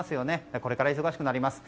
これから忙しくなります。